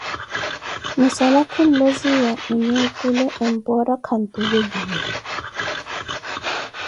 Muinzala khuloziwa mwinhe otule, empora khantuveliye